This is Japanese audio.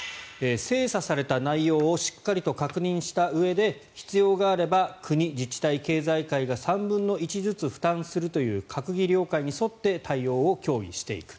精査された内容をしっかりと確認したうえで必要があれば国、自治体、経済界が３分の１ずつ負担するという閣議了解に沿って対応を協議していく。